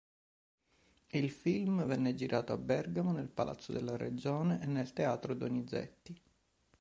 Il film venne girato a Bergamo, nel Palazzo della Ragione e nel Teatro Donizetti.